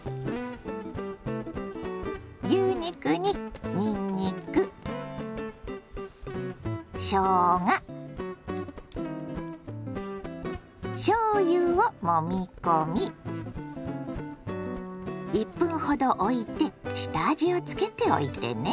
牛肉ににんにくしょうがしょうゆをもみ込み１分ほどおいて下味をつけておいてね。